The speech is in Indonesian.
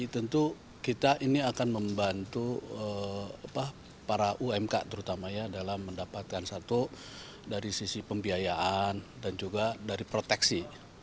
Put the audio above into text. tentu kita ini akan membantu para umk terutama ya dalam mendapatkan satu dari sisi pembiayaan dan juga dari proteksi